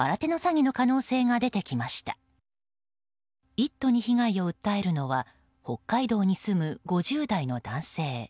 「イット！」に被害を訴えるのは北海道に住む５０代の男性。